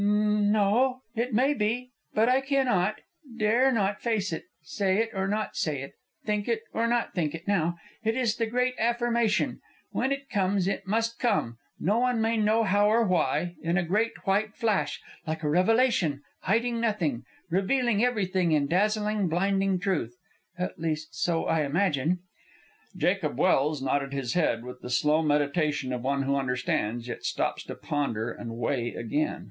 "N o. It may be; but I cannot, dare not face it, say it or not say it, think it or not think it now. It is the great affirmation. When it comes it must come, no one may know how or why, in a great white flash, like a revelation, hiding nothing, revealing everything in dazzling, blinding truth. At least I so imagine." Jacob Welse nodded his head with the slow meditation of one who understands, yet stops to ponder and weigh again.